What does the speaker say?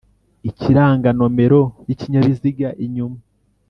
ikiranga nomero y'ikinyabiziga inyuma.